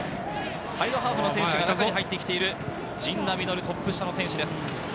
サイドハーフの選手が中に入っている陣田成琉、トップ下の選手です。